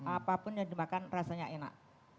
apapun yang dimakan rasanya enak